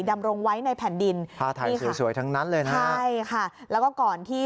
ดำรงไว้ในแผ่นดินนี่ค่ะใช่ค่ะแล้วก็ก่อนที่